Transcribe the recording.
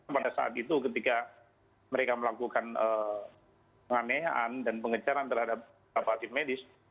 pada saat itu ketika mereka melakukan penganean dan pengejaran terhadap tim medis